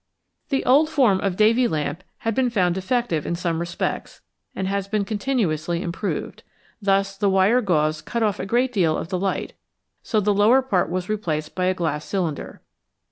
The old form of Davy lamp has been found defec tive in some respects, and has been continuously im proved ; thus the wire gauze cut off a great deal of the light, so the lower part was replaced by a glass cylinder.